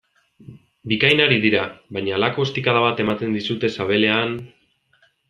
Bikain ari dira, baina halako ostikada bat ematen dizute sabelean...